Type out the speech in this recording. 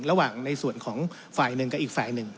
ระหว่างในส่วนของฝ่ายหนึ่งกับอีกฝ่ายหนึ่ง